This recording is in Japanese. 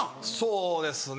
そうですね